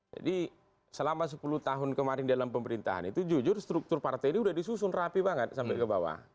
jadi selama sepuluh tahun kemarin di luar pemerintahan itu jujur struktur partai ini udah disusun rapi banget sampai ke bawah